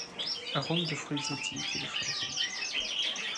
Arômes de fruits exotiques et de fleurs jaunes.